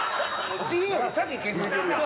チーンより先気付いてるやん。